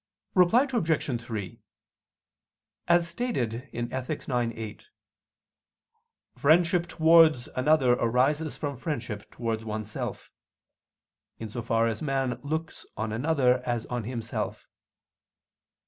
Reply Obj. 3: As stated in Ethic. ix, 8, "friendship towards another arises from friendship towards oneself," in so far as man looks on another as on himself.